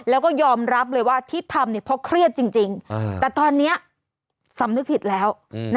แล้วก็ยอมรับเลยว่าที่ทำเพราะเครียดจริงแต่ตอนนี้สำนึกผิดแล้ว